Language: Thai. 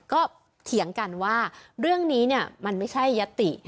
ก็เถียงกันว่าเรื่องนี้มันไม่ใช่ยติ